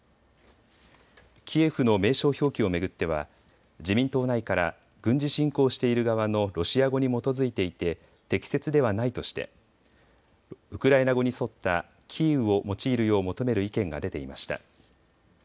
キエフの名称表記を巡っては自民党内から、軍事侵攻している側のロシア語に基づいていて適切ではないとしてウクライナ語に沿ったキーウを用いるよう求める意見が出ていました。